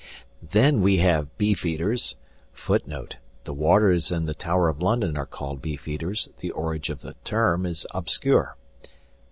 Then we have "beefeaters," (Footnote; The warders in the Tower of London are called "beefeaters"; the origin of the term is obscure.)